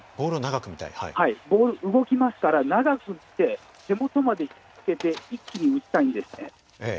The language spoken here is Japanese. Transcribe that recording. ☎ボール動きますから長く見て手元まで引き付けて一気に打ちたいんですね。